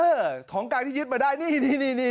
เออของกลางที่ยึดมาได้นี่นี่นี่